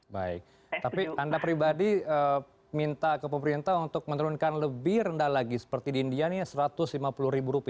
baik tapi anda pribadi minta ke pemerintah untuk menurunkan lebih rendah lagi seperti di india nih rp satu ratus lima puluh